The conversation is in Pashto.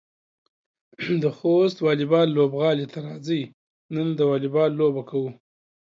د خوست واليبال لوبغالي ته راځئ، نن د واليبال لوبه کوو.